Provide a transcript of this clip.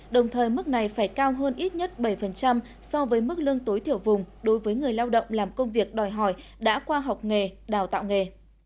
đồng thời mức này phải cao hơn ít nhất bảy so với mức lương tối thiểu vùng đối với người lao động làm công việc đòi hỏi đã qua học nghề đào tạo nghề